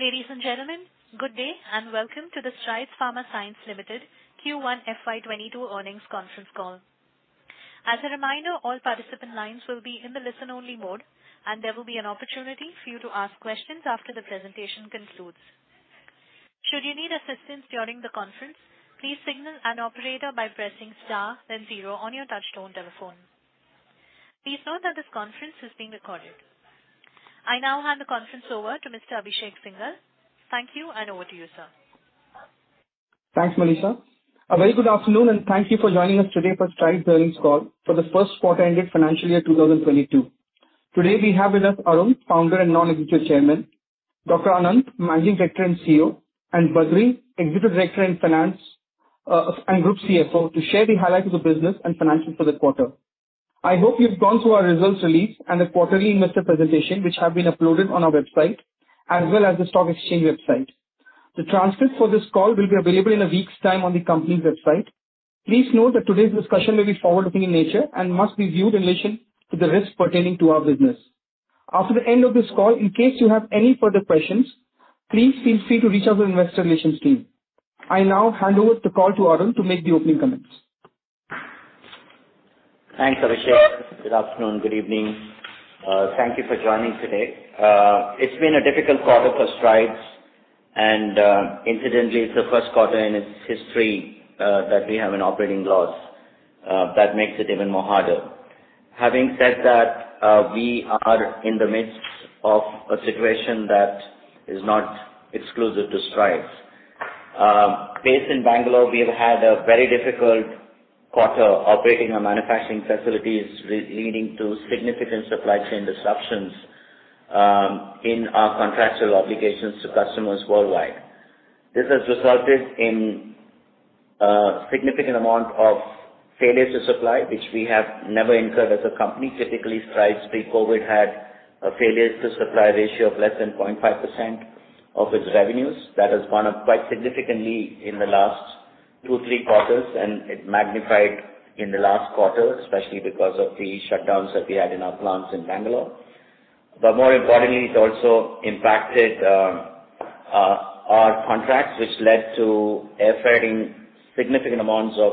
Ladies and gentlemen, good day and welcome to the Strides Pharma Science Limited Q1 FY 2022 earnings conference call. As a reminder, all participant lines will be in the listen-only mode, and there will be an opportunity for you to ask questions after the presentation concludes. Should you need assistance during the conference, please signal an operator by pressing star then zero on your touchtone telephone. Please note that this conference is being recorded. I now hand the conference over to Mr. Abhishek Singhal. Thank you, and over to you, sir. Thanks, Manisha. A very good afternoon, and thank you for joining us today for Strides earnings call for the first quarter ended financial year 2022. Today we have with us Arun, Founder and Non-Executive Chairman, Dr. Ananth, Managing Director and CEO, and Badree, Executive Director in Finance and Group CFO to share the highlights of the business and financials for the quarter. I hope you've gone through our results release and the quarterly investor presentation, which have been uploaded on our website as well as the stock exchange website. The transcript for this call will be available in a week's time on the company's website. Please note that today's discussion may be forward-looking in nature and must be viewed in relation to the risks pertaining to our business. After the end of this call, in case you have any further questions, please feel free to reach out to investor relations team. I now hand over the call to Arun to make the opening comments. Thanks, Abhishek. Good afternoon. Good evening. Thank you for joining today. It has been a difficult quarter for Strides and, incidentally, it is the first quarter in its history that we have an operating loss. That makes it even more harder. Having said that, we are in the midst of a situation that is not exclusive to Strides. Based in Bengaluru, we have had a very difficult quarter operating our manufacturing facilities, leading to significant supply chain disruptions in our contractual obligations to customers worldwide. This has resulted in a significant amount of failures to supply, which we have never incurred as a company. Typically, Strides pre-COVID had a failure to supply ratio of less than 0.5% of its revenues. That has gone up quite significantly in the last two, three quarters, and it magnified in the last quarter, especially because of the shutdowns that we had in our plants in Bengaluru. More importantly, it also impacted our contracts, which led to air freighting significant amounts of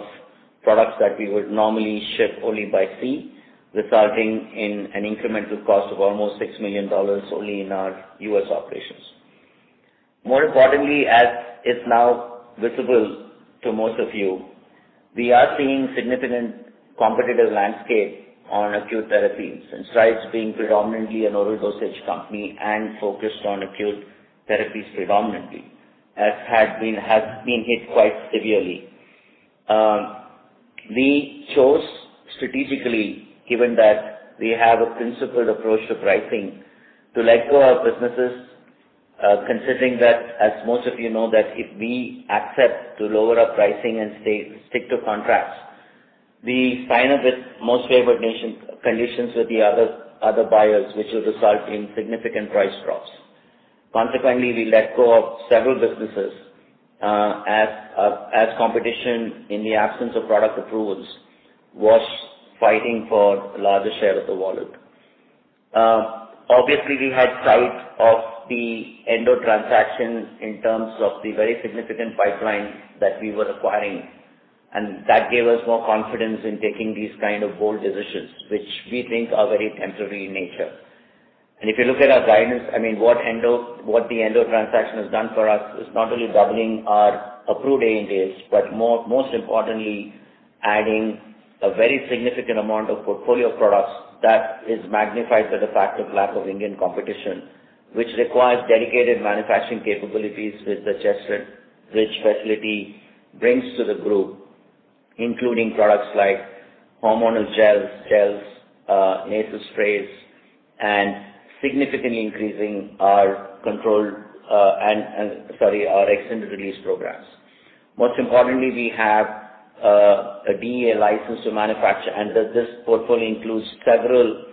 products that we would normally ship only by sea, resulting in an incremental cost of almost $6 million only in our U.S. operations. More importantly, as is now visible to most of you, we are seeing significant competitive landscape on acute therapies and Strides being predominantly an oral dosage company and focused on acute therapies predominantly has been hit quite severely. We chose strategically, given that we have a principled approach to pricing, to let go our businesses, considering that, as most of you know, that if we accept to lower our pricing and stick to contracts, we sign up with most favored conditions with the other buyers, which will result in significant price drops. Consequently, we let go of several businesses, as competition in the absence of product approvals was fighting for larger share of the wallet. Obviously, we had sight of the Endo transaction in terms of the very significant pipeline that we were acquiring, and that gave us more confidence in taking these kind of bold decisions, which we think are very temporary in nature. If you look at our guidance, what the Endo transaction has done for us is not only doubling our approved ANDAs, but most importantly, adding a very significant amount of portfolio products that is magnified by the fact of lack of Indian competition, which requires dedicated manufacturing capabilities, which facility brings to the group, including products like hormonal gels, nasal sprays, and significantly increasing our extended release programs. Most importantly, we have a DEA license to manufacture. This portfolio includes several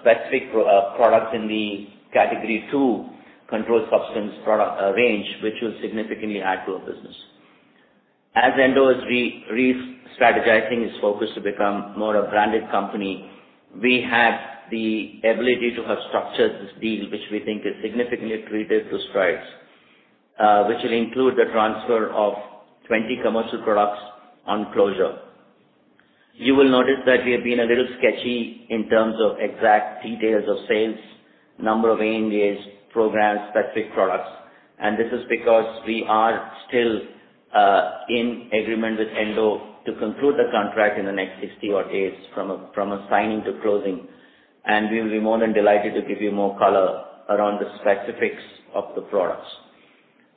specific products in the category two controlled substance product range, which will significantly add to our business. As Endo is re-strategizing its focus to become more a branded company, we had the ability to have structured this deal, which we think is significantly accretive to Strides, which will include the transfer of 20 commercial products on closure. You will notice that we have been a little sketchy in terms of exact details of sales, number of ANDAs, programs, specific products. This is because we are still in agreement with Endo to conclude the contract in the next 60 odd days from a signing to closing, and we will be more than delighted to give you more color around the specifics of the products.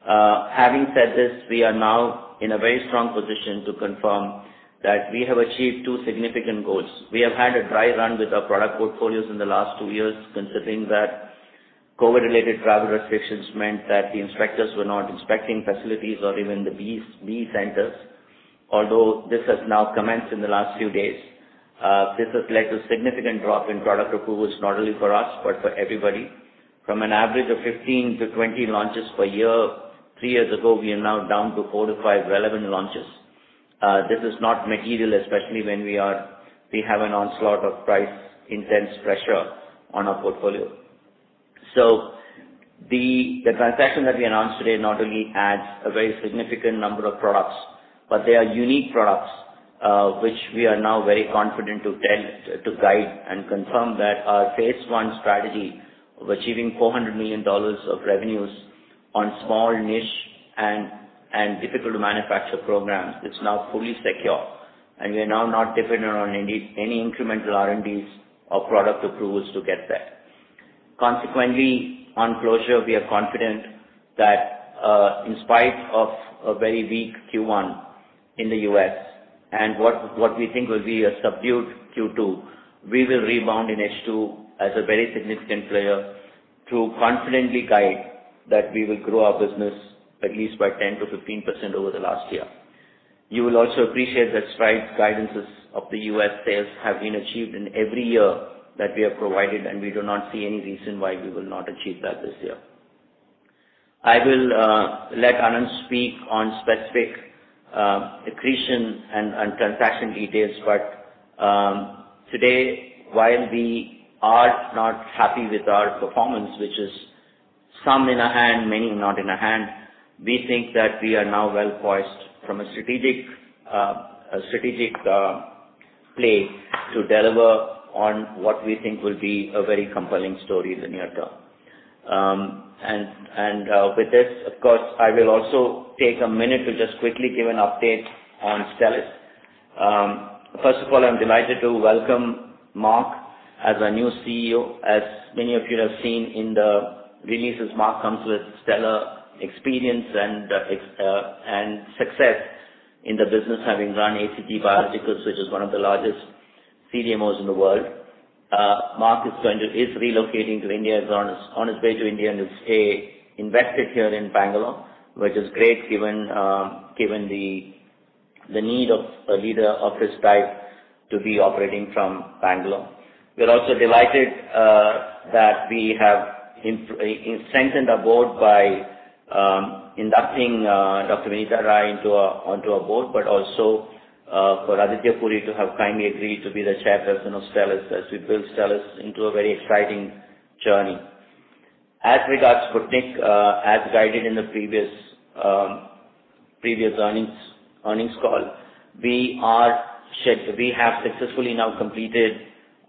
Having said this, we are now in a very strong position to confirm that we have achieved two significant goals. We have had a dry run with our product portfolios in the last two years, considering that COVID-related travel restrictions meant that the inspectors were not inspecting facilities or even the BE centers, although this has now commenced in the last few days. This has led to significant drop in product approvals not only for us, but for everybody. From an average of 15-20 launches per year three years ago, we are now down to four to five relevant launches. This is not material, especially when we have an onslaught of price-intense pressure on our portfolio. The transaction that we announced today not only adds a very significant number of products, but they are unique products, which we are now very confident to guide and confirm that our phase I strategy of achieving $400 million of revenues on small niche and difficult to manufacture programs is now fully secure. We are now not dependent on any incremental R&Ds or product approvals to get there. Consequently, on closure, we are confident that in spite of a very weak Q1 in the U.S. and what we think will be a subdued Q2, we will rebound in H2 as a very significant player to confidently guide that we will grow our business at least by 10%-15% over the last year. You will also appreciate that Strides' guidances of the U.S. sales have been achieved in every year that we have provided. We do not see any reason why we will not achieve that this year. I will let Ananth speak on specific accretion and transaction details. Today, while we are not happy with our performance, which is some in our hand, many not in our hand, we think that we are now well-poised from a strategic play to deliver on what we think will be a very compelling story in the near term. With this, of course, I will also take one minute to just quickly give an update on Stelis. First of all, I am delighted to welcome Mark as our new CEO. As many of you have seen in the releases, Mark comes with stellar experience and success in the business, having run AGC Biologics, which is one of the largest CDMOs in the world. Mark is relocating to India. He's on his way to India and will stay invested here in Bengaluru, which is great given the need of a leader of his type to be operating from Bengaluru. We are also delighted that we have strengthened our board by inducting Dr. Vineeta Rai onto our board, also for Aditya Puri to have kindly agreed to be the chairperson of Stelis as we build Stelis into a very exciting journey. As regards Sputnik, as guided in the previous earnings call, we have successfully now completed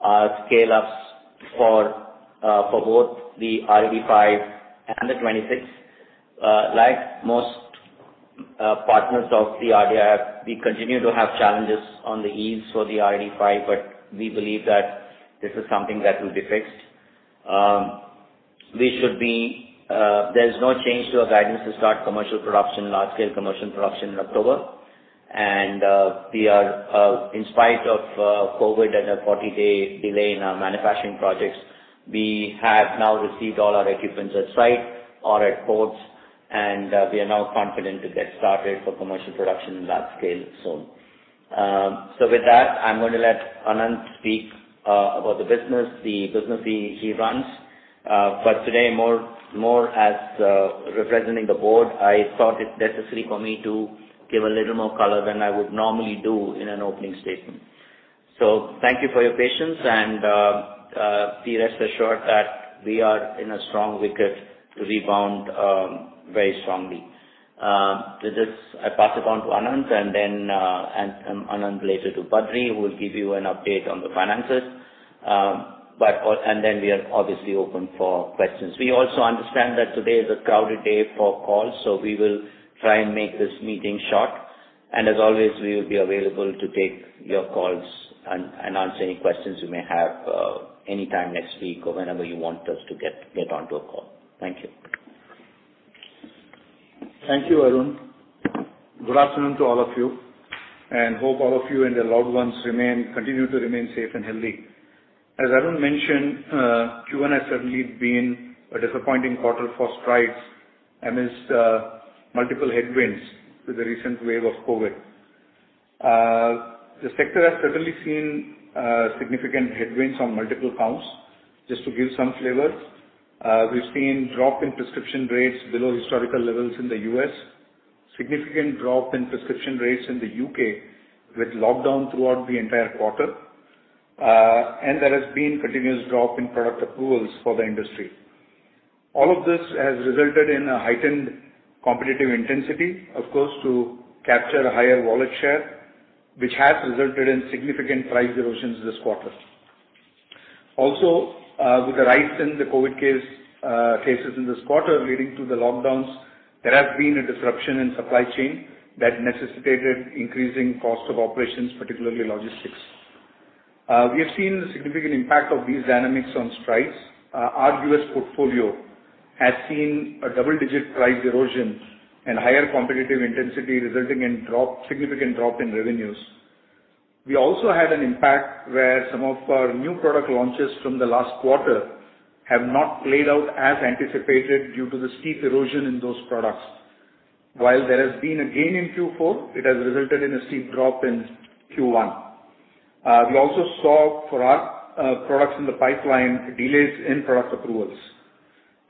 our scale-ups for both the rAd5 and the rAd26. Like most partners of the RDIF, we continue to have challenges on the yields for the rAd5. We believe that this is something that will be fixed. There's no change to our guidance to start large-scale commercial production in October. In spite of COVID and a 40-day delay in our manufacturing projects, we have now received all our equipment at site or at ports. We are now confident to get started for commercial production in large scale soon. With that, I'm going to let Ananth speak about the business he runs. Today, more as representing the board, I thought it necessary for me to give a little more color than I would normally do in an opening statement. Thank you for your patience. Be rest assured that we are in a strong wicket to rebound very strongly. With this, I pass it on to Ananth and then Ananth later to Badree, who will give you an update on the finances. We are obviously open for questions. We also understand that today is a crowded day for calls, so we will try and make this meeting short. As always, we will be available to take your calls and answer any questions you may have, anytime next week or whenever you want us to get onto a call. Thank you. Thank you, Arun. Good afternoon to all of you, and hope all of you and your loved ones continue to remain safe and healthy. As Arun mentioned, Q1 has certainly been a disappointing quarter for Strides amidst multiple headwinds with the recent wave of COVID. The sector has certainly seen significant headwinds on multiple counts. Just to give some flavors, we've seen drop in prescription rates below historical levels in the U.S., significant drop in prescription rates in the U.K. with lockdown throughout the entire quarter, and there has been continuous drop in product approvals for the industry. All of this has resulted in a heightened competitive intensity, of course, to capture a higher wallet share, which has resulted in significant price erosions this quarter. Also, with the rise in the COVID cases in this quarter leading to the lockdowns, there has been a disruption in supply chain that necessitated increasing cost of operations, particularly logistics. We have seen the significant impact of these dynamics on Strides. Our U.S. portfolio has seen a double-digit price erosion and higher competitive intensity, resulting in significant drop in revenues. We also had an impact where some of our new product launches from the last quarter have not played out as anticipated due to the steep erosion in those products. While there has been a gain in Q4, it has resulted in a steep drop in Q1. We also saw for our products in the pipeline delays in product approvals.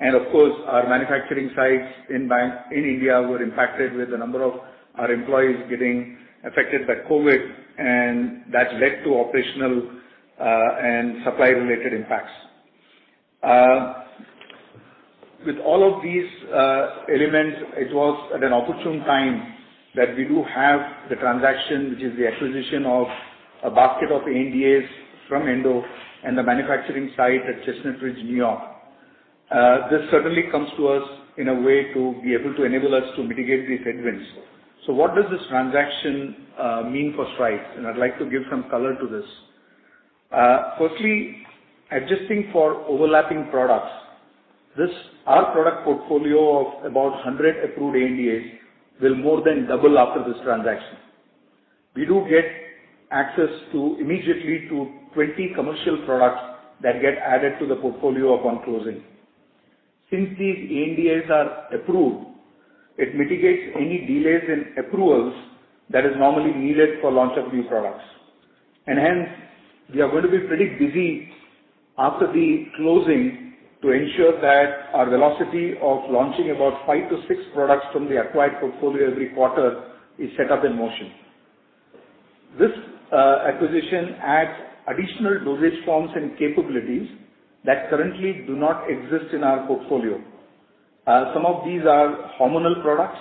Of course, our manufacturing sites in India were impacted with a number of our employees getting affected by COVID, and that led to operational and supply-related impacts. With all of these elements, it was at an opportune time that we do have the transaction, which is the acquisition of a basket of ANDAs from Endo and the manufacturing site at Chestnut Ridge, New York. This certainly comes to us in a way to be able to enable us to mitigate these headwinds. What does this transaction mean for Strides? I'd like to give some color to this. Firstly, adjusting for overlapping products, our product portfolio of about 100 approved ANDAs will more than double after this transaction. We do get access immediately to 20 commercial products that get added to the portfolio upon closing. Since these ANDAs are approved, it mitigates any delays in approvals that is normally needed for launch of new products. Hence, we are going to be pretty busy after the closing to ensure that our velocity of launching about five to six products from the acquired portfolio every quarter is set up in motion. This acquisition adds additional dosage forms and capabilities that currently do not exist in our portfolio. Some of these are hormonal products,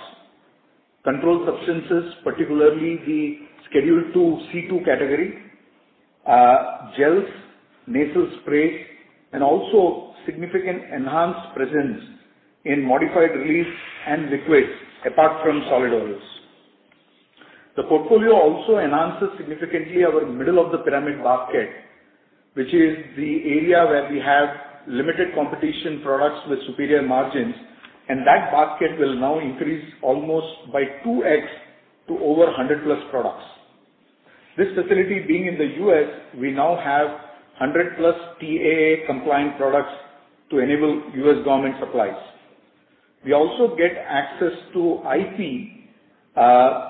controlled substances, particularly the Schedule CII category, gels, nasal sprays, and also significant enhanced presence in modified release and liquids, apart from solid orals. The portfolio also enhances significantly our middle of the pyramid basket, which is the area where we have limited competition products with superior margins, and that basket will now increase almost by 2x to over 100+ products. This facility being in the U.S., we now have 100+ TAA-compliant products to enable U.S. government supplies. We also get access to IP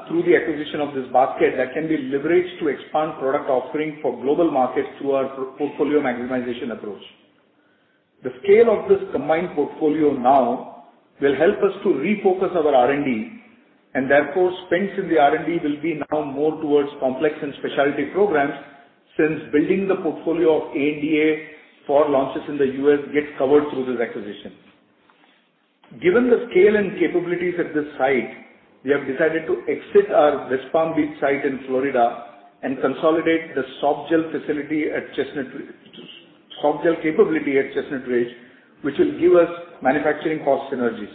through the acquisition of this basket that can be leveraged to expand product offering for global markets through our portfolio maximization approach. The scale of this combined portfolio now will help us to refocus our R&D, and therefore spends in the R&D will be now more towards complex and specialty programs since building the portfolio of ANDA for launches in the U.S. gets covered through this acquisition. Given the scale and capabilities at this site, we have decided to exit our West Palm Beach site in Florida and consolidate the soft gel capability at Chestnut Ridge, which will give us manufacturing cost synergies.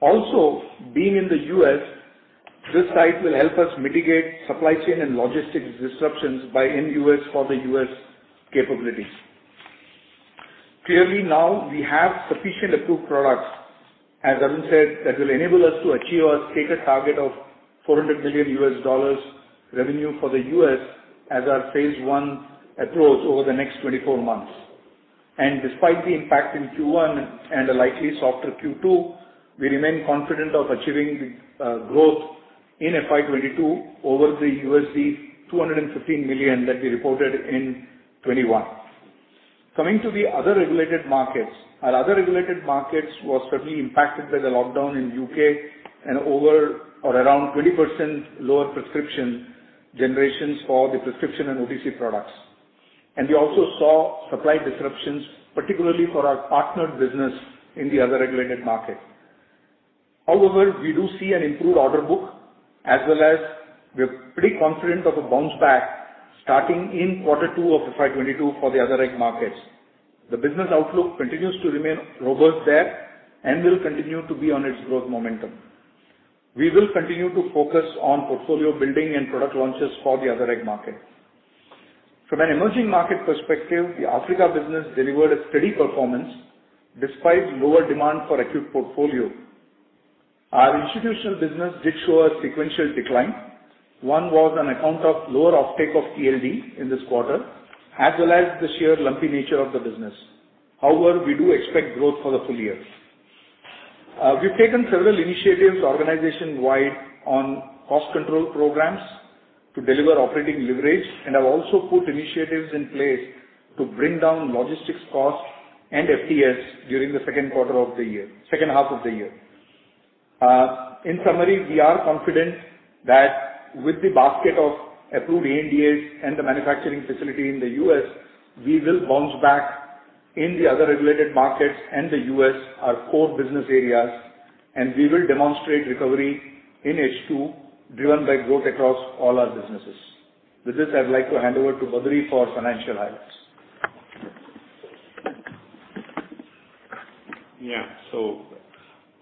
Also, being in the U.S., this site will help us mitigate supply chain and logistics disruptions by in U.S. for the U.S. capabilities. Clearly now we have sufficient approved products, as Arun said, that will enable us to achieve our stated target of $400 million revenue for the U.S. as our phase I approach over the next 24 months. Despite the impact in Q1 and a likely softer Q2, we remain confident of achieving the growth in FY 2022 over the $215 million that we reported in 2021. Coming to the other Regulated Markets, our other Regulated Markets was certainly impacted by the lockdown in U.K. and over or around 20% lower prescription generations for the prescription and OTC products. We also saw supply disruptions, particularly for our partnered business in the other Regulated Markets. However, we do see an improved order book as well as we're pretty confident of a bounce back starting in quarter two of FY 2022 for the other Regulated Markets. The business outlook continues to remain robust there and will continue to be on its growth momentum. We will continue to focus on portfolio building and product launches for the other reg market. From an emerging market perspective, the Africa business delivered a steady performance despite lower demand for acute portfolio. Our institutional business did show a sequential decline. One was on account of lower uptake of TLD in this quarter, as well as the sheer lumpy nature of the business. However, we do expect growth for the full year. We've taken several initiatives organization-wide on cost control programs to deliver operating leverage and have also put initiatives in place to bring down logistics costs and FTS during the second half of the year. In summary, we are confident that with the basket of approved ANDAs and the manufacturing facility in the U.S., we will bounce back in the other Regulated Markets and the U.S., our core business areas, and we will demonstrate recovery in H2 driven by growth across all our businesses. With this, I'd like to hand over to Badree for financial highlights.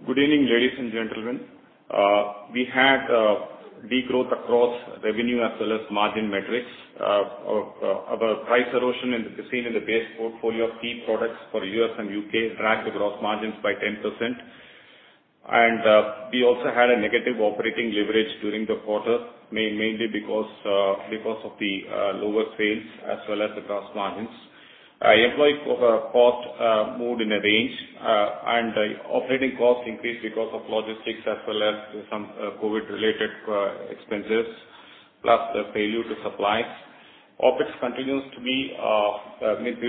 Good evening, ladies and gentlemen. We had a decline across revenue as well as margin metrics. Our price erosion seen in the base portfolio of key products for U.S. and U.K. dragged the gross margins by 10%. We also had a negative operating leverage during the quarter, mainly because of the lower sales as well as the gross margins. Employees over cost moved in a range, and operating costs increased because of logistics as well as some COVID-related expenses, plus the failure to supply. We'll continue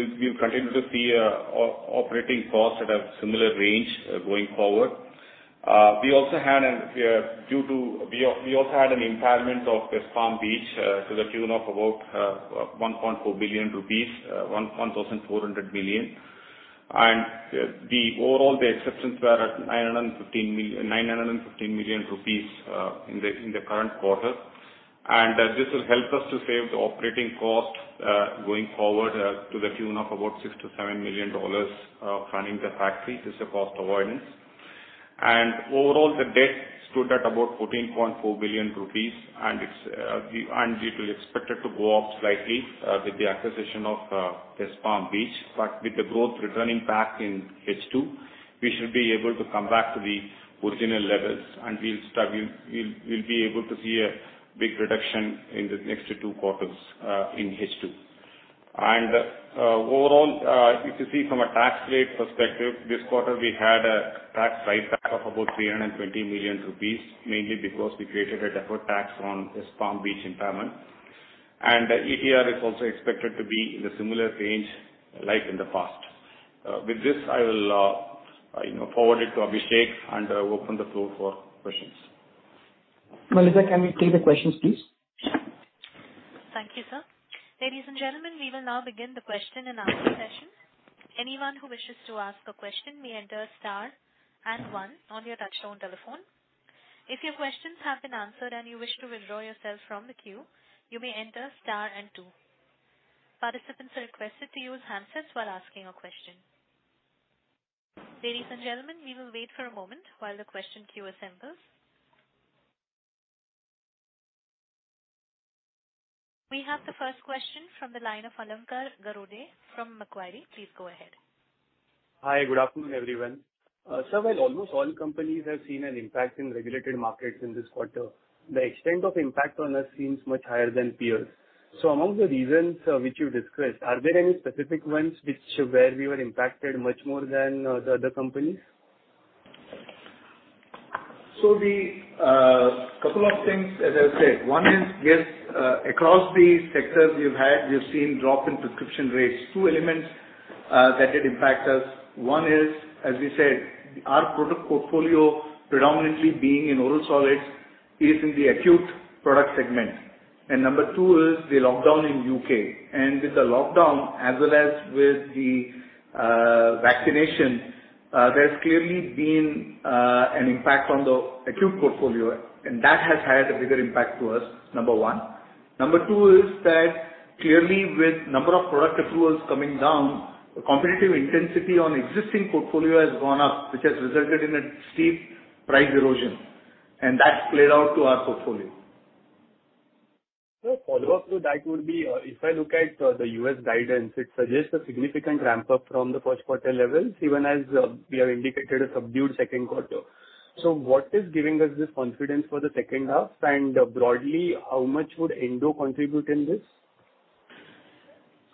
to see operating costs at a similar range going forward. We also had an impairment of Palm Beach to the tune of about 1.4 billion rupees, 1,400 million. Overall, the exceptions were at 915 million in the current quarter. This will help us to save the operating cost, going forward, to the tune of about $6 million-$7 million running the factories as a cost avoidance. Overall, the debt stood at about 14.4 billion rupees, and it will be expected to go up slightly with the acquisition of Palm Beach. With the growth returning back in H2, we should be able to come back to the original levels and we'll be able to see a big reduction in the next two quarters, in H2. Overall, if you see from a tax rate perspective, this quarter we had a tax write back of about 320 million rupees, mainly because we created a deferred tax on this Palm Beach impairment. ETR is also expected to be in the similar range like in the past. With this, I will forward it to Abhishek and open the floor for questions. Melissa, can we take the questions, please? Thank you, sir. Ladies and gentlemen, we will now begin the question and answer session. Anyone who wishes to ask a question may enter star and one on your touchtone telephone. If your questions have been answered and you wish to withdraw yourself from the queue, you may enter star and two. Participants are requested to use handsets while asking a question. Ladies and gentlemen, we will wait for a moment while the question queue assembles. We have the first question from the line of Alankar Garude from Macquarie. Please go ahead. Hi, good afternoon, everyone. Sir, while almost all companies have seen an impact in regulated markets in this quarter, the extent of impact on us seems much higher than peers. Among the reasons which you discussed, are there any specific ones where we were impacted much more than the other companies? The couple of things, as I said. One is, yes, across the sectors we've had, we've seen drop in prescription rates. Two elements that did impact us. One is, as we said, our product portfolio predominantly being in oral solids is in the acute product segment. Number two is the lockdown in U.K. With the lockdown as well as with the vaccination, there's clearly been an impact on the acute portfolio, and that has had a bigger impact to us, number one. Number two is that clearly with number of product approvals coming down, the competitive intensity on existing portfolio has gone up, which has resulted in a steep price erosion, and that's played out to our portfolio. A follow-up to that would be, if I look at the U.S. guidance, it suggests a significant ramp-up from the first quarter levels, even as we have indicated a subdued second quarter. What is giving us this confidence for the second half? Broadly, how much would Endo contribute in this?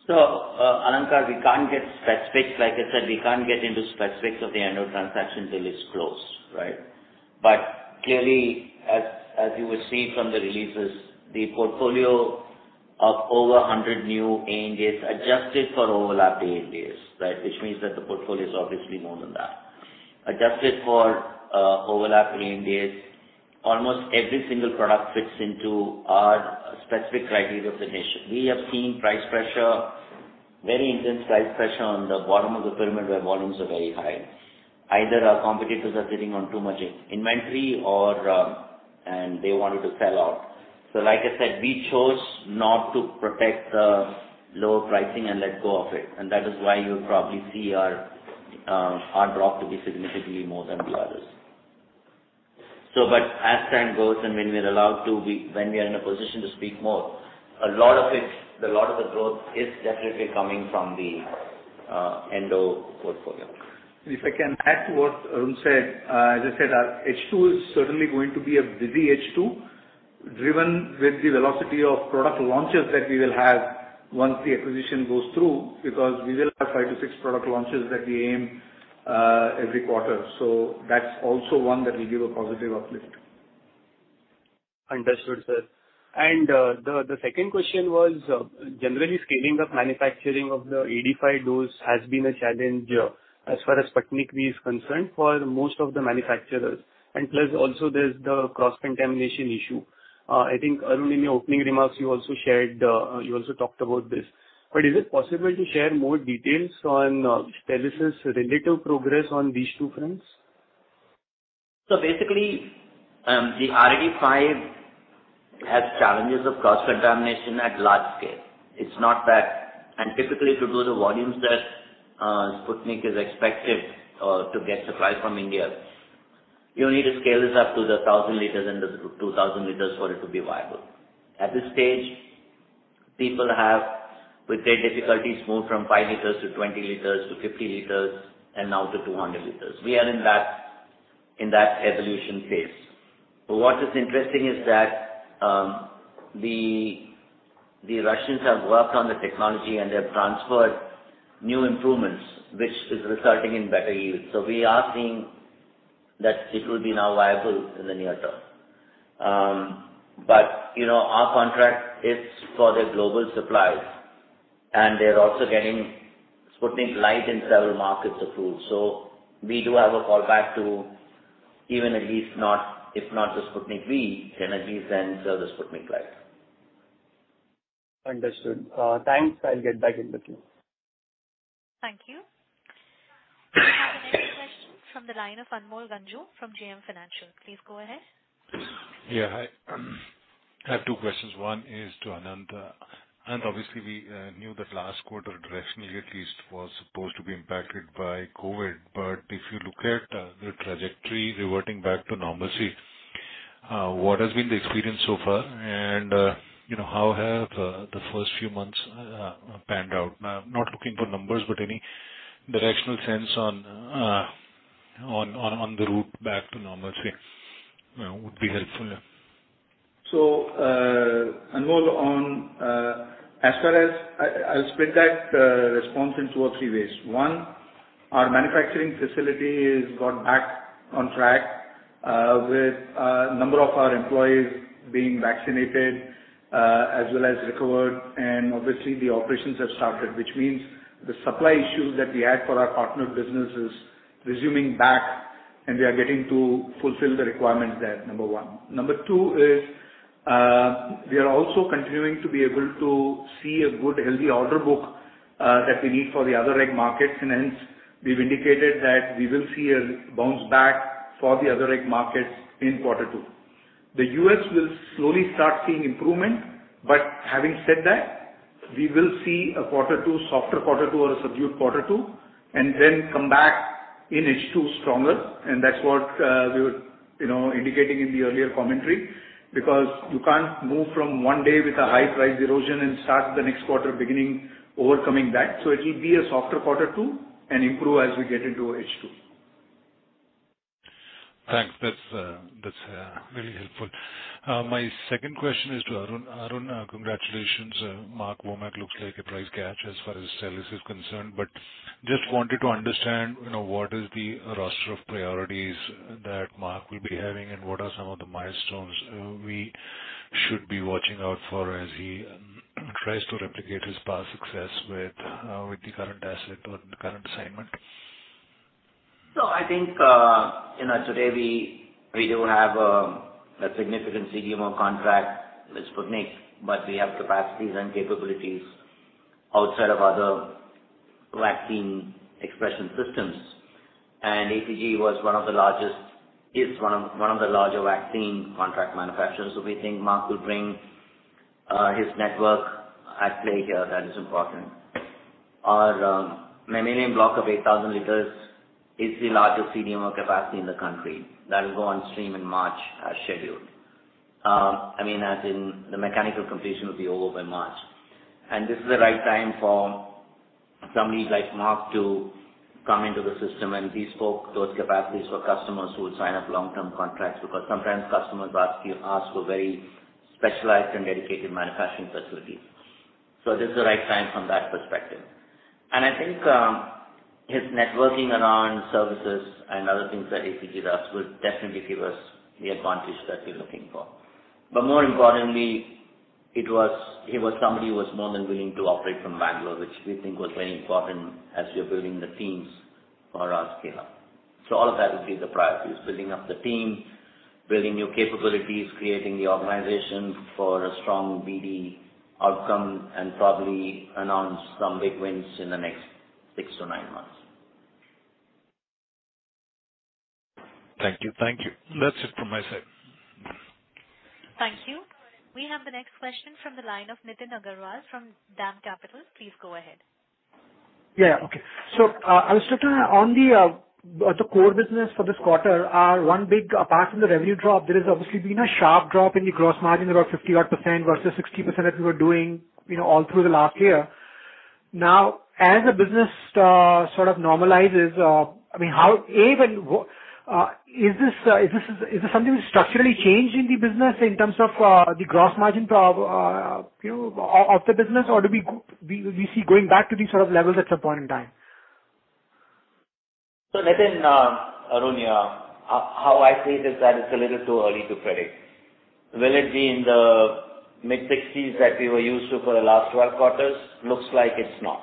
Alankar, we can't get specifics. Like I said, we can't get into specifics of the Endo transaction till it's closed, right. Clearly, as you would see from the releases, the portfolio of over 100 new ANDAs adjusted for overlapping ANDAs, right. Which means that the portfolio is obviously more than that. Adjusted for overlapping ANDAs, almost every single product fits into our specific criteria of the niche. We have seen price pressure, very intense price pressure on the bottom of the pyramid, where volumes are very high. Either our competitors are sitting on too much inventory and they wanted to sell out. Like I said, we chose not to protect the lower pricing and let go of it, and that is why you'll probably see our drop to be significantly more than the others. As time goes and when we are in a position to speak more, a lot of the growth is definitely coming from the Endo portfolio. If I can add to what Arun said. As I said, our H2 is certainly going to be a busy H2, driven with the velocity of product launches that we will have once the acquisition goes through because we will have five to six product launches that we aim every quarter. That's also one that will give a positive uplift. Understood, sir. The second question was, generally scaling of manufacturing of the rAd5 dose has been a challenge as far as Sputnik V is concerned for most of the manufacturers. Plus also there's the cross-contamination issue. I think, Arun, in your opening remarks, you also talked about this. Is it possible to share more details on Stelis' relative progress on these two fronts? Basically, the rAd5 has challenges of cross-contamination at large scale. Typically, to do the volumes that Sputnik is expected to get supply from India, you need to scale this up to the 1,000 L and the 2,000 L for it to be viable. At this stage, people have, with great difficulty, moved from 5 L to 20 L to 50 L and now to 200 L. We are in that evolution phase. What is interesting is that the Russians have worked on the technology, and they've transferred new improvements, which is resulting in better yields. We are seeing that it will be now viable in the near term. Our contract is for their global supplies, and they're also getting Sputnik Light in several markets approved. We do have a fallback to even at least, if not the Sputnik V, can at least then serve the Sputnik Light. Understood. Thanks. I will get back in with you. Thank you. We have the next question from the line of Anmol Ganjoo from JM Financial. Please go ahead. Yeah. I have two questions. One is to Ananth. Obviously, we knew that last quarter, directionally at least, was supposed to be impacted by COVID. If you look at the trajectory reverting back to normalcy, what has been the experience so far? How have the first few months panned out? I am not looking for numbers, but any directional sense on the route back to normalcy would be helpful. Anmol, I'll split that response in two or three ways. One, our manufacturing facility has got back on track with a number of our employees being vaccinated as well as recovered. Obviously, the operations have started, which means the supply issue that we had for our partner business is resuming back, and we are getting to fulfill the requirements there, number one. Number two is, we are also continuing to be able to see a good, healthy order book that we need for the other reg markets. Hence, we've indicated that we will see a bounce back for the other reg markets in quarter two. The U.S. will slowly start seeing improvement. Having said that, we will see a softer quarter two or a subdued quarter two, and then come back in H2 stronger. That's what we were indicating in the earlier commentary. You can't move from one day with a high price erosion and start the next quarter beginning overcoming that. It'll be a softer quarter two and improve as we get into H2. Thanks. That's really helpful. My second question is to Arun. Arun, congratulations. Mark Womack looks like a prize catch as far as Stelis is concerned, but just wanted to understand what is the roster of priorities that Mark will be having, and what are some of the milestones we should be watching out for as he tries to replicate his past success with the current asset or the current assignment? I think today we don't have a significant CDMO contract with Sputnik, but we have capacities and capabilities outside of other vaccine expression systems. AGC is one of the larger vaccine contract manufacturers. We think Mark will bring his network at play here. That is important. Our mammalian block of 8,000 L is the largest CDMO capacity in the country. That'll go on stream in March as scheduled. As in the mechanical completion will be over by March. This is the right time for somebody like Mark to come into the system and bespoke those capacities for customers who will sign up long-term contracts, because sometimes customers ask for very specialized and dedicated manufacturing facilities. This is the right time from that perspective. I think his networking around services and other things that AGC does will definitely give us the advantage that we're looking for. More importantly, he was somebody who was more than willing to operate from Bengaluru, which we think was very important as we're building the teams for our scale-up. All of that would be the priorities, building up the team, building new capabilities, creating the organization for a strong BD outcome, and probably announce some big wins in the next six to nine months. Thank you. That's it from my side. Thank you. We have the next question from the line of Nitin Agarwal from DAM Capital. Please go ahead. Yeah. Okay. I was looking on the core business for this quarter. One, big apart from the revenue drop, there has obviously been a sharp drop in the gross margin, about 50% odd versus 60% that we were doing all through the last year. Now, as the business sort of normalizes, is this something which structurally changed in the business in terms of the gross margin of the business, or do we see going back to these sort of levels at some point in time? Nitin, Arun here. How I see it is that it's a little too early to predict. Will it be in the mid-sixties that we were used to for the last 12 quarters? Looks like it's not.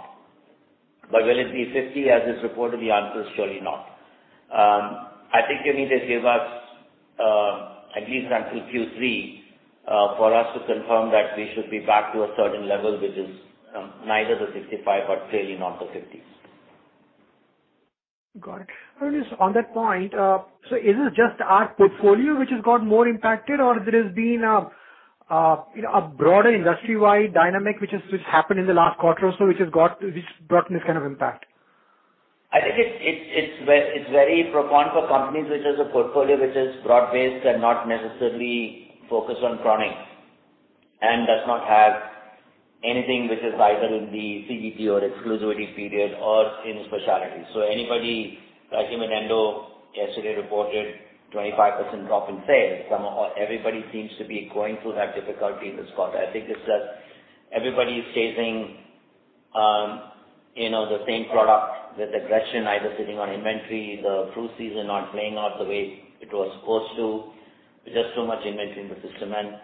Will it be 50 as is reported? The answer is surely not. I think they give us at least until Q3 for us to confirm that we should be back to a certain level, which is neither the 65 but clearly not the 50. Got it. Arun, on that point, is this just our portfolio which has got more impacted, or there has been a broader industry-wide dynamic which happened in the last quarter or so, which has brought this kind of impact? I think it's very profound for companies which has a portfolio which is broad-based and not necessarily focused on chronic. Does not have anything which is either in the CGT or exclusivity period or in specialty. Anybody like even Endo yesterday reported 25% drop in sales. Everybody seems to be going through that difficulty in this quarter. I think it's just everybody is chasing the same product with aggression, either sitting on inventory, the flu season not playing out the way it was supposed to. There's just too much inventory in the system and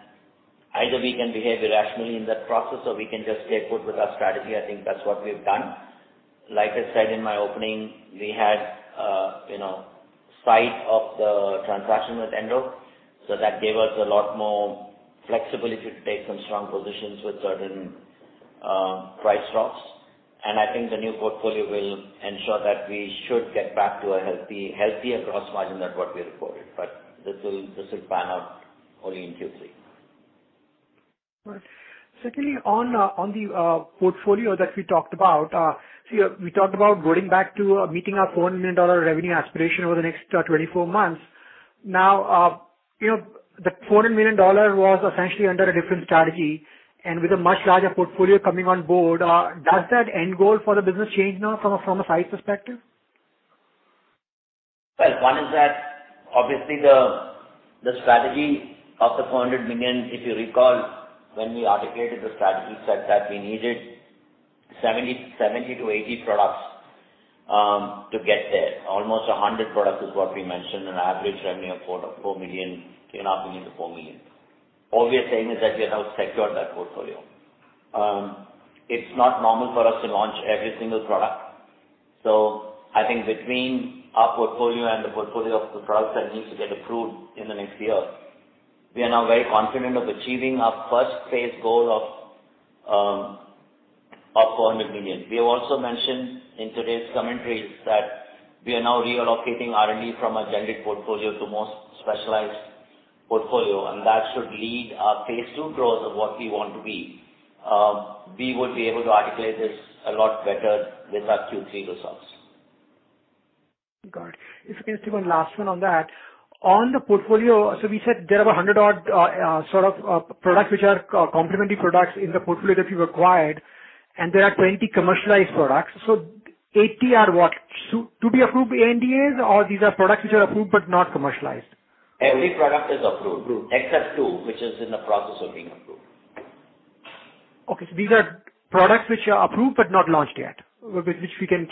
either we can behave irrationally in that process or we can just stay put with our strategy. I think that's what we've done. Like I said in my opening, we had sight of the transaction with Endo, that gave us a lot more flexibility to take some strong positions with certain price drops. I think the new portfolio will ensure that we should get back to a healthier gross margin than what we reported. This will pan out only in Q3. Right. On the portfolio that we talked about, we talked about going back to meeting our $400 million revenue aspiration over the next 24 months. The $400 million was essentially under a different strategy and with a much larger portfolio coming on board, does that end goal for the business change now from a size perspective? One is that obviously the strategy of the $400 million, if you recall when we articulated the strategy, said that we needed 70-80 products to get there. Almost 100 products is what we mentioned, an average revenue of [inaudible] $4 million. All we are saying is that we have now secured that portfolio. It's not normal for us to launch every single product. I think between our portfolio and the portfolio of the products that need to get approved in the next year, we are now very confident of achieving our first phase goal of $400 million. We have also mentioned in today's commentaries that we are now reallocating R&D from a generic portfolio to more specialized portfolio, and that should lead our phase II growth of what we want to be. We would be able to articulate this a lot better with our Q3 results. Got it. If I can take one last one on that. On the portfolio, so we said there were 100 odd sort of products which are complementary products in the portfolio that you acquired, and there are 20 commercialized products. 80 are what? To be approved ANDAs or these are products which are approved but not commercialized? Every product is approved except two which is in the process of being approved. Okay, these are products which are approved but not launched yet, which we can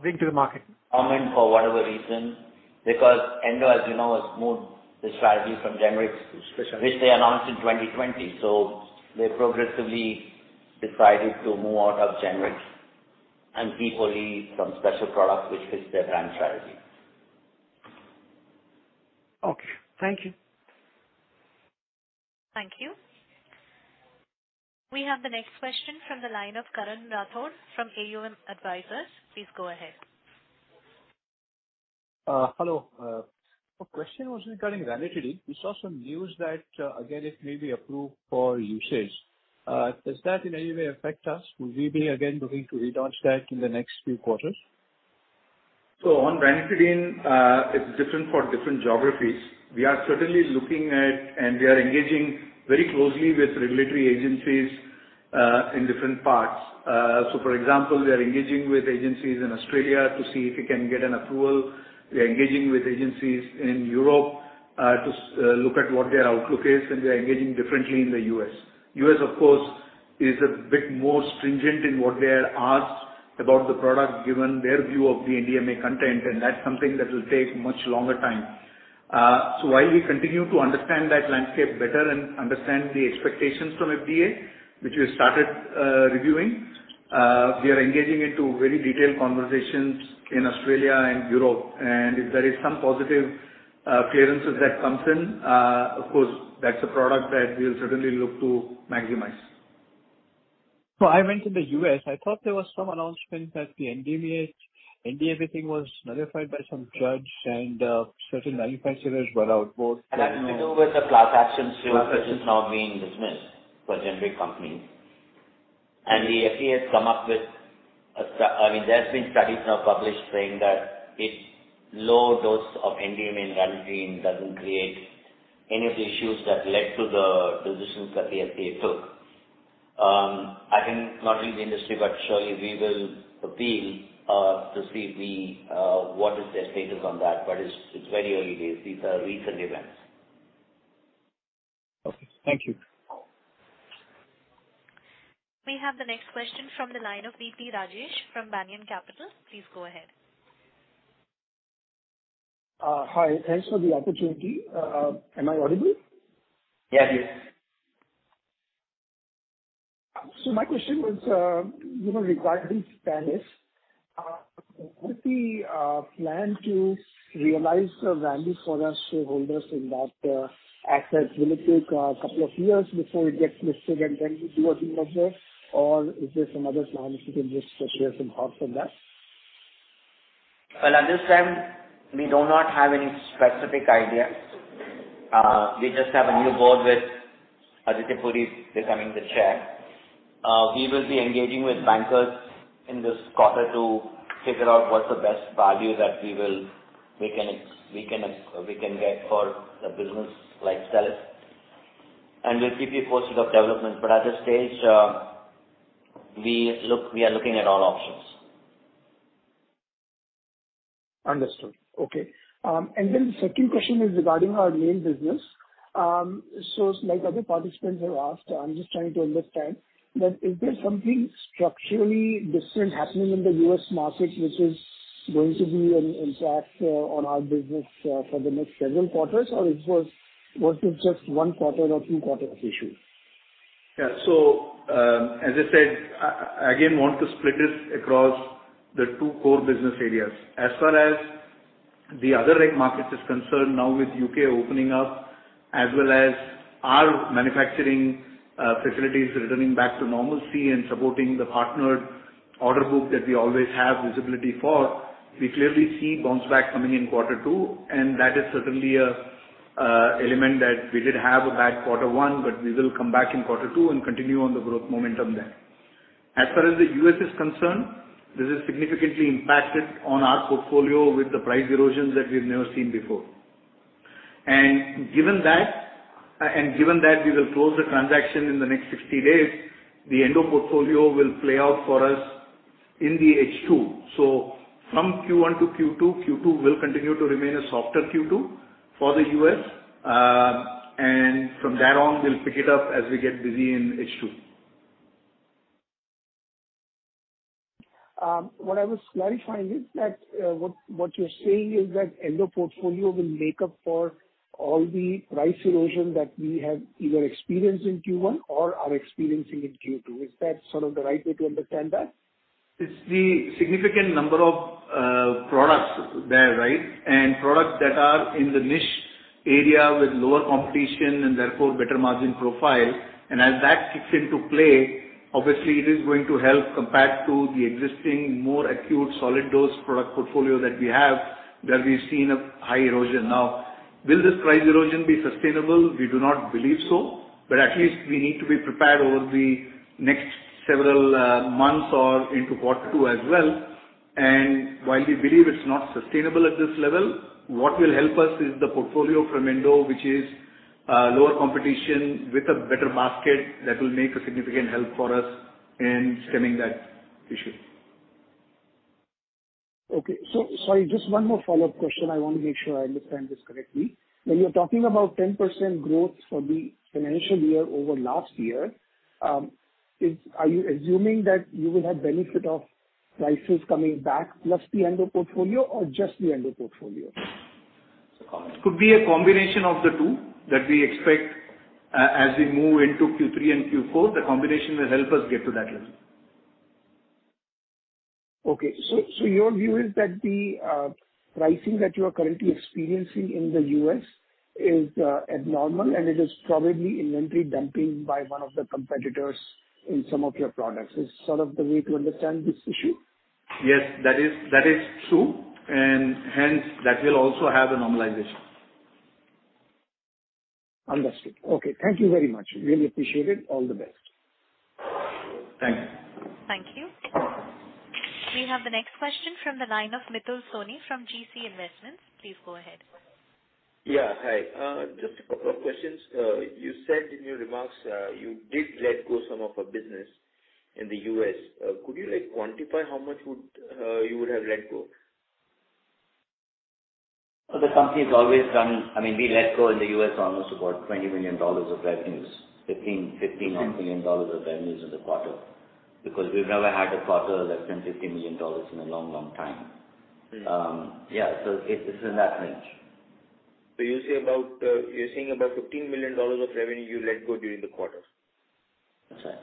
bring to the market. For whatever reason, because Endo, as you know, has moved the strategy from generics which they announced in 2020. They progressively decided to move out of generics and keep only some special products which fits their brand strategy. Okay. Thank you. Thank you. We have the next question from the line of Karan Rathod from AUM Advisors. Please go ahead. Hello. My question was regarding ranitidine. We saw some news that again it may be approved for usage. Does that in any way affect us? Will we be again looking to relaunch that in the next few quarters? On ranitidine, it's different for different geographies. We are certainly looking at and we are engaging very closely with regulatory agencies in different parts. For example, we are engaging with agencies in Australia to see if we can get an approval. We are engaging with agencies in Europe to look at what their outlook is, and we are engaging differently in the U.S. U.S., of course, is a bit more stringent in what they have asked about the product, given their view of the NDMA content, and that's something that will take much longer time. While we continue to understand that landscape better and understand the expectations from FDA, which we started reviewing, we are engaging into very detailed conversations in Australia and Europe, and if there is some positive clearances that comes in, of course that's a product that we'll certainly look to maximize. I meant in the U.S., I thought there was some announcement that the NDMA thing was nullified by some judge and certain manufacturers were out. That has to do with the class action suit which has now been dismissed for generic companies. There's been studies now published saying that low dose of NDMA in ranitidine doesn't create any of the issues that led to the decisions that the FDA took. I can not read the industry, but surely we will appeal to see what is their status on that. It's very early days. These are recent events. Okay. Thank you. We have the next question from the line of V.P. Rajesh from Banyan Capital. Please go ahead. Hi. Thanks for the opportunity. Am I audible? Yes, please. My question was regarding Stelis. What's the plan to realize the value for us shareholders in that asset? Will it take two years before it gets listed and then we do a deal of this? Is there some other plans you can just share some thoughts on that? Well, at this time, we do not have any specific idea. We just have a new board with Aditya Puri becoming the chair. We will be engaging with bankers in this quarter to figure out what's the best value that we can get for the business, like sell it. We'll keep you posted of developments, but at this stage, we are looking at all options. Understood. Okay. The second question is regarding our main business. Like other participants have asked, I'm just trying to understand that is there something structurally different happening in the U.S. market which is going to be an impact on our business for the next several quarters, or it was what is just one quarter or two quarter issue? Yeah. As I said, I again want to split this across the two core business areas. As far as the other Regulated Markets is concerned now with U.K. opening up, as well as our manufacturing facilities returning back to normalcy and supporting the partnered order book that we always have visibility for, we clearly see bounce back coming in quarter two, and that is certainly a element that we did have a bad quarter one, but we will come back in quarter two and continue on the growth momentum there. As far as the U.S. is concerned, this has significantly impacted on our portfolio with the price erosions that we've never seen before. Given that we will close the transaction in the next 60 days, the Endo portfolio will play out for us in the H2. From Q1 to Q2 will continue to remain a softer Q2 for the U.S., and from thereon we'll pick it up as we get busy in H2. What I was clarifying is that what you're saying is that Endo portfolio will make up for all the price erosion that we have either experienced in Q1 or are experiencing in Q2. Is that sort of the right way to understand that? It's the significant number of products there. Products that are in the niche area with lower competition and therefore better margin profile. As that kicks into play, obviously it is going to help compared to the existing, more acute solid dose product portfolio that we have, where we've seen a high erosion. Will this price erosion be sustainable? We do not believe so, but at least we need to be prepared over the next several months or into quarter two as well. While we believe it's not sustainable at this level, what will help us is the portfolio from Endo, which is lower competition with a better basket that will make a significant help for us in stemming that issue. Okay. Sorry, just one more follow-up question. I want to make sure I understand this correctly. When you're talking about 10% growth for the financial year over last year, are you assuming that you will have benefit of prices coming back plus the Endo portfolio or just the Endo portfolio? Could be a combination of the two that we expect. As we move into Q3 and Q4, the combination will help us get to that level. Okay. Your view is that the pricing that you are currently experiencing in the U.S. is abnormal and it is probably inventory dumping by one of the competitors in some of your products. Is sort of the way to understand this issue? Yes that is true. Hence that will also have a normalization. Understood. Okay. Thank you very much. Really appreciate it. All the best. Thank you. Thank you. We have the next question from the line of Mithun Soni from GeeCee Investments. Please go ahead. Hi. Just a couple of questions. You said in your remarks, you did let go some of a business in the U.S. Could you like quantify how much you would have let go? We let go in the U.S. almost about $20 million of revenues. $15 million-$16 million of revenues in the quarter, because we've never had a quarter that's been $15 million in a long, long time. Yeah. It is in that range. You're saying about $15 million of revenue you let go during the quarter? That's right.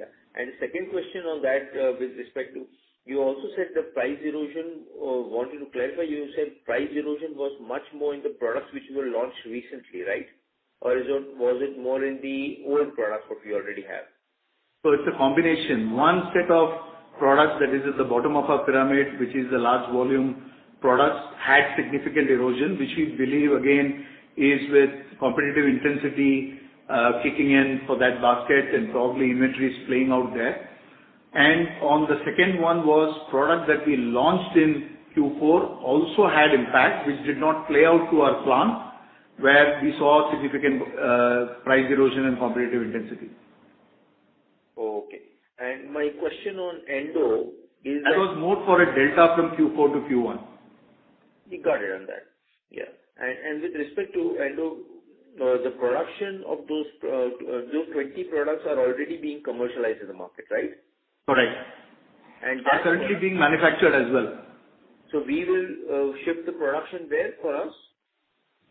Yeah. Second question on that, with respect to you also said the price erosion, wanted to clarify, you said price erosion was much more in the products which were launched recently, right? Or was it more in the old product what we already have? It's a combination. One set of products that is at the bottom of our pyramid, which is the large volume products, had significant erosion, which we believe again, is with competitive intensity kicking in for that basket and probably inventories playing out there. On the second one was product that we launched in Q4 also had impact, which did not play out to our plan, where we saw significant price erosion and competitive intensity. Okay. My question on Endo is that. That was more for a delta from Q4 to Q1. Got it on that. Yeah. With respect to Endo, the production of those 20 products are already being commercialized in the market, right? Correct. And. Are currently being manufactured as well. We will ship the production where for us?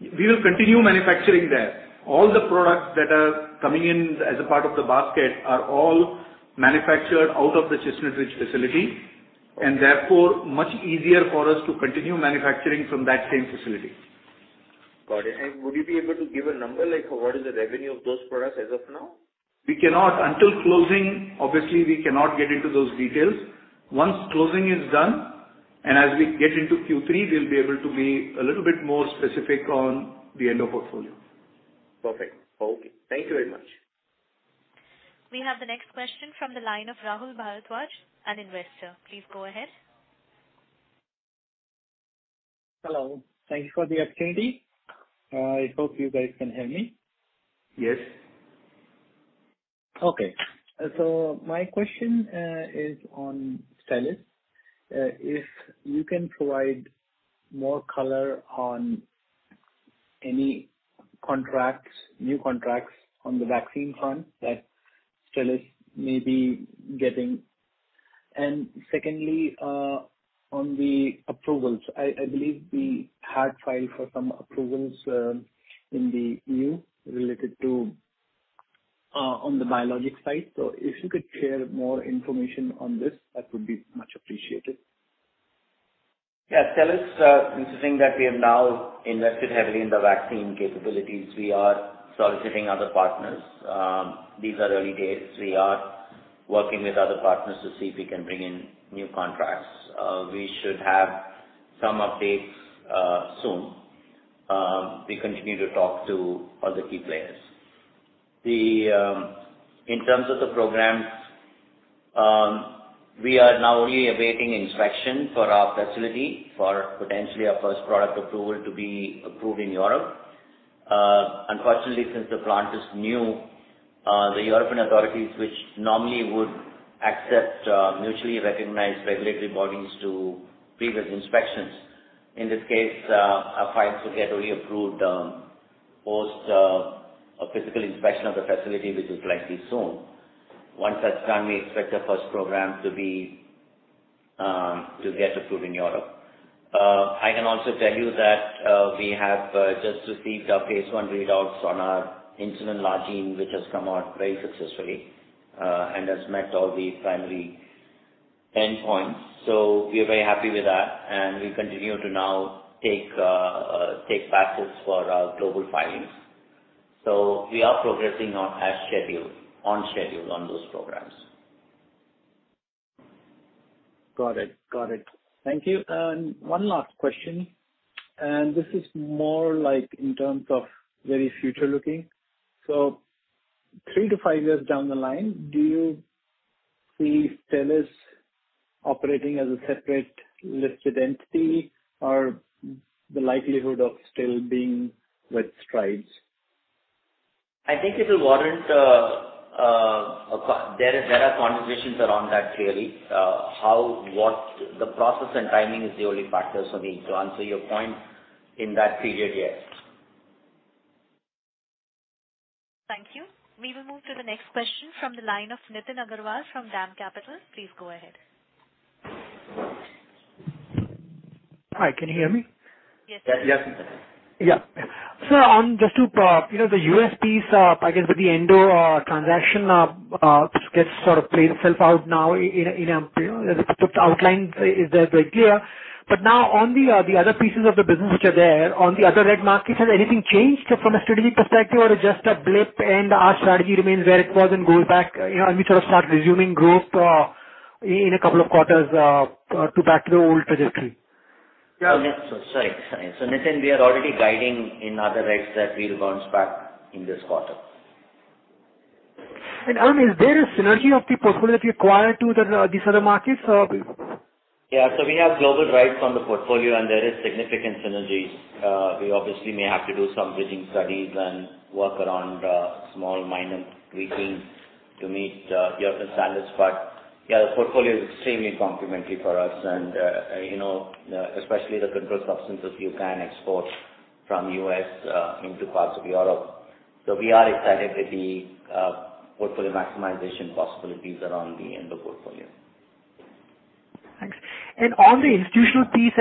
We will continue manufacturing there. All the products that are coming in as a part of the basket are all manufactured out of the Chestnut Ridge facility, and therefore much easier for us to continue manufacturing from that same facility. Got it. Would you be able to give a number, like what is the revenue of those products as of now? We cannot. Until closing, obviously we cannot get into those details. Once closing is done. As we get into Q3, we'll be able to be a little bit more specific on the Endo portfolio. Perfect. Okay. Thank you very much. We have the next question from the line of Rahul Bharadwaj, an investor. Please go ahead. Hello. Thank you for the opportunity. I hope you guys can hear me. Yes. Okay. My question is on Stelis. If you can provide more color on any contracts, new contracts on the vaccine front that Stelis may be getting. Secondly, on the approvals, I believe we had filed for some approvals in the EU related to on the biologic side. If you could share more information on this, that would be much appreciated. Yeah. Stelis, it's a thing that we have now invested heavily in the vaccine capabilities. We are soliciting other partners. These are early days. We are working with other partners to see if we can bring in new contracts. We should have some updates soon. We continue to talk to other key players. In terms of the programs, we are now only awaiting inspection for our facility for potentially our first product approval to be approved in Europe. Unfortunately, since the plant is new, the European authorities, which normally would accept mutually recognized regulatory bodies to previous inspections, in this case, our files will get reapproved post a physical inspection of the facility, which is likely soon. Once that's done, we expect our first program to get approved in Europe. I can also tell you that we have just received our phase I readouts on our insulin glargine, which has come out very successfully and has met all the primary endpoints. We are very happy with that and we continue to now take [inaudible] for our global filings. We are progressing as scheduled, on schedule on those programs. Got it. Thank you. One last question, and this is more in terms of very future-looking. Three to five years down the line, do you see Stelis operating as a separate listed entity or the likelihood of still being with Strides? I think it will warrant there are conversations around that clearly. How, what, the process and timing is the only factor for me to answer your point in that period, yes. Thank you. We will move to the next question from the line of Nitin Agarwal from DAM Capital. Please go ahead. Hi, can you hear me? Yes. Yes. The USPs, I guess, with the Endo transaction, which gets sort of played itself out now in a particular outline, is that very clear. Now on the other pieces of the business which are there on the ther reg market, has anything changed from a strategic perspective or it's just a blip and our strategy remains where it was and goes back and we sort of start resuming growth in a couple of quarters to back to the old trajectory? Sorry. Nitin, we are already guiding in other regs that we'll bounce back in this quarter. Arun, is there a synergy of the portfolio acquired to these other markets? Yeah. We have global rights on the portfolio and there is significant synergies. We obviously may have to do some bridging studies and work around small minor tweaking to meet European standards. Yeah, the portfolio is extremely complementary for us and especially the controlled substances you can export from U.S. into parts of Europe. We are excited with the portfolio maximization possibilities around the Endo portfolio. Thanks. On the institutional piece,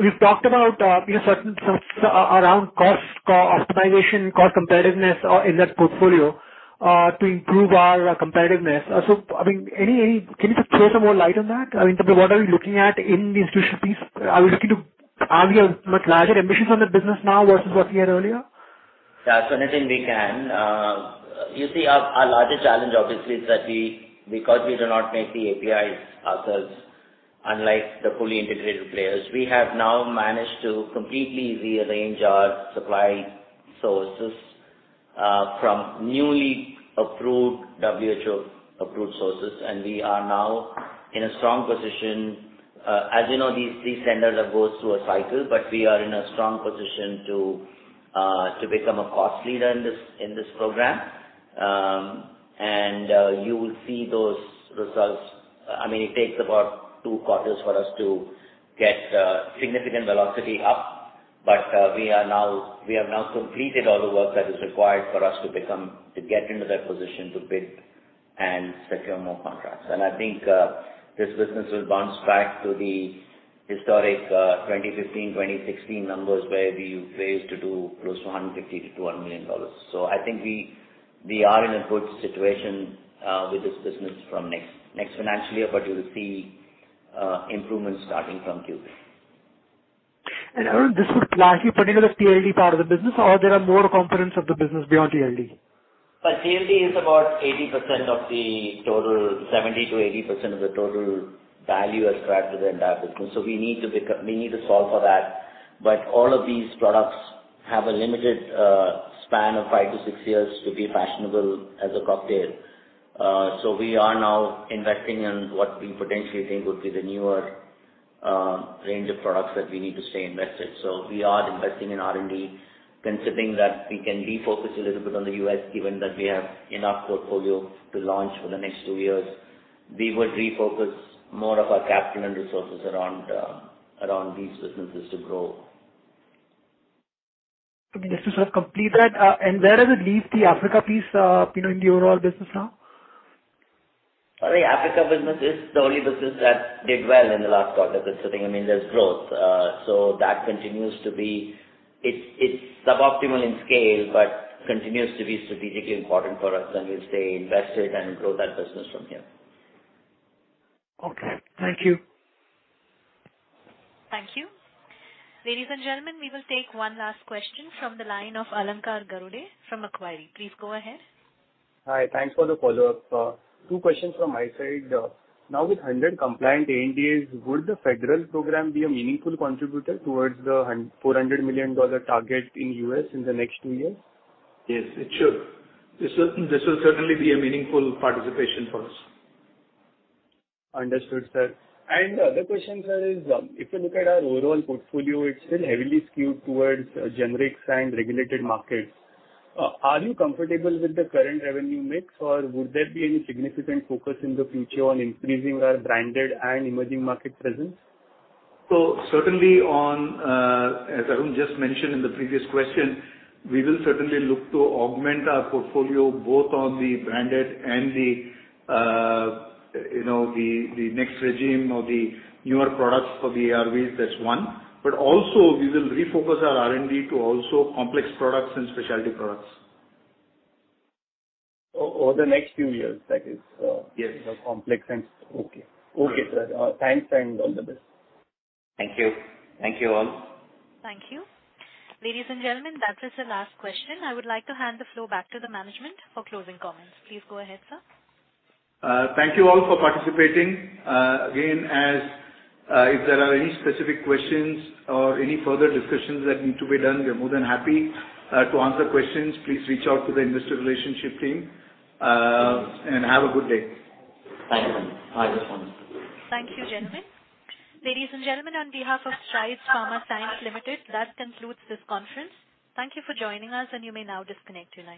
we've talked about certain stuff around cost optimization, cost competitiveness in that portfolio to improve our competitiveness. Can you just throw some more light on that in terms of what are we looking at in the institutional piece? Are we looking to have much larger ambitions on the business now versus what we had earlier? Yeah. Nitin, we can. You see our largest challenge obviously is that because we do not make the APIs ourselves, unlike the fully integrated players, we have now managed to completely rearrange our supply sources from newly approved WHO-approved sources, and we are now in a strong position. As you know, these centers goes through a cycle, but we are in a strong position to become a cost leader in this program. You will see those results. It takes about two quarters for us to get significant velocity up. We have now completed all the work that is required for us to get into that position to bid and secure more contracts. I think this business will bounce back to the historic 2015, 2016 numbers where we phased to do close to $150 million-$200 million. I think we are in a good situation with this business from next financial year, but you will see improvements starting from Q3. This would largely benefit the TLD part of the business or there are more components of the business beyond TLD? TLD is about 70%-80% of the total value ascribed to the entire business. We need to solve for that. All of these products have a limited span of five to six years to be fashionable as a cocktail. We are now investing in what we potentially think would be the newer range of products that we need to stay invested. We are investing in R&D, considering that we can refocus a little bit on the U.S., given that we have enough portfolio to launch for the next two years. We would refocus more of our capital and resources around these businesses to grow. Just to sort of complete that, where does it leave the Africa piece in the overall business now? The Africa business is the only business that did well in the last quarter. There's growth. It's suboptimal in scale, but continues to be strategically important for us, and we'll stay invested and grow that business from here. Okay. Thank you. Thank you. Ladies and gentlemen, we will take one last question from the line of Alankar Garude from Macquarie. Please go ahead. Hi, thanks for the follow-up. Two questions from my side. With 100 compliant ANDAs, would the federal program be a meaningful contributor towards the $400 million target in the U.S. in the next two years? Yes, it should. This will certainly be a meaningful participation for us. Understood, sir. The other question, sir, is, if you look at our overall portfolio, it is still heavily skewed towards generics and regulated markets. Are you comfortable with the current revenue mix, or would there be any significant focus in the future on increasing our branded and emerging market presence? Certainly on, as Arun just mentioned in the previous question, we will certainly look to augment our portfolio, both on the branded and the next regime of the newer products for the ARVs. That's one. Also, we will refocus our R&D to also complex products and specialty products. Over the next few years. Yes. The complex and. Okay. Okay sir. Thanks and all the best. Thank you. Thank you all. Thank you. Ladies and gentlemen, that was the last question. I would like to hand the floor back to the management for closing comments. Please go ahead, sir. Thank you all for participating. Again, if there are any specific questions or any further discussions that need to be done, we're more than happy to answer questions. Please reach out to the Investor Relations team, and have a good day. Thank you. Bye, everyone. Thank you, gentlemen. Ladies and gentlemen, on behalf of Strides Pharma Science Limited, that concludes this conference. Thank you for joining us, and you may now disconnect your lines.